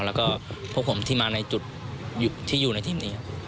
แล้วก็พวกผมที่มาในจุดที่อยู่ในทีมนี้ครับ